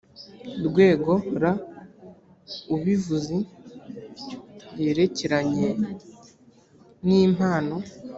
rwego r ubivuzi yerekeranye n impano